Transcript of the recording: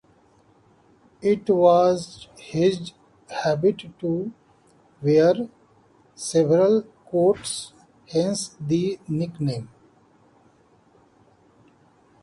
It was his habit to wear several coats, hence the nickname.